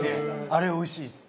あれおいしいです。